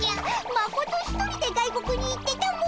マコト一人で外国に行ってたも！